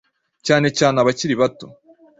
cyane cyane abakiri bato.